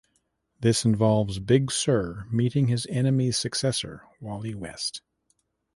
This involves Big Sir meeting his enemy's successor, Wally West.